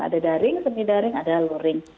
ada daring semidaring ada luring